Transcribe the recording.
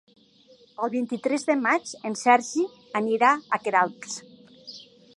El vint-i-tres de maig en Sergi anirà a Queralbs.